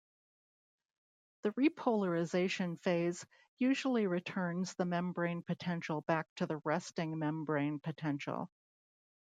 The repolarization phase usually returns the membrane potential back to the resting membrane potential.